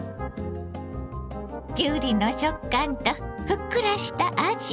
きゅうりの食感とふっくらしたあじ。